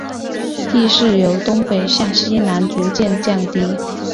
地势由东北向西南逐渐降低。